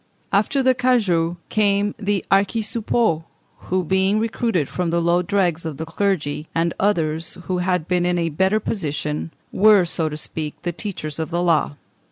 After the cagoux came the archisuppôts, who, being recruited from the lowest dregs of the clergy and others who had been in a better position, were, so to speak, the teachers of the law.